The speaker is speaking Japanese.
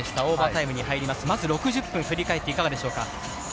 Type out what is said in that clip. オーバータイムに入ります、まず６０分振り返っていかがでしょうか？